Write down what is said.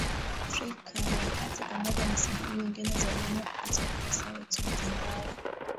Afrika ya kati Pamoja na sehemu nyingine za dunia kupitia ukurasa wetu wa mtandao wa